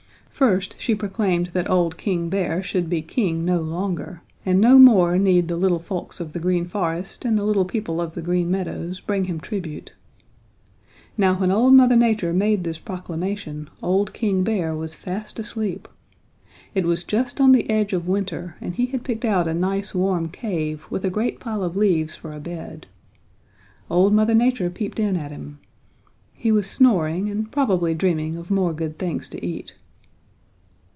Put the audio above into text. "First she proclaimed that old King Bear should be king no longer, and no more need the little folks of the Green Forest and the little people of the Green Meadows bring him tribute. "Now when old Mother Nature made this proclamation old King Bear was fast asleep. It was just on the edge of winter and he had picked out a nice warm cave with a great pile of leaves for a bed. Old Mother Nature peeped in at him. He was snoring and probably dreaming of more good things to eat.